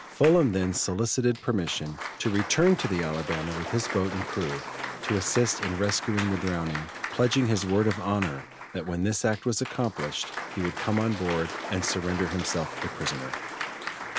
Fullam then solicited permission to return to the Alabama with his boat and crew to assist in rescuing the drowning, pledging his word of honor that when this act was accomplished, he would come on board and surrender himself a prisoner.